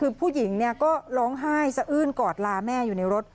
คือผู้หญิงก็ร้องไห้สะอื้นกอดลาแม่อยู่ในรถ